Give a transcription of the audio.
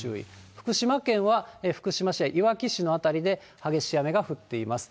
福島県は福島市やいわき市の辺りで激しい雨が降っています。